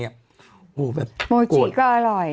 อุ้ยแบบโบนชี้ก็อร่อย